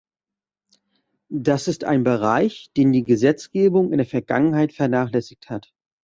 Das ist ein Bereich, den die Gesetzgebung in der Vergangenheit vernachlässigt hat.